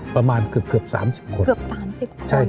ประมาณเกือบ๓๐คน